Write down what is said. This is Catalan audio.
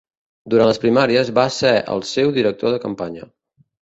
Durant les primàries va ser el seu director de campanya.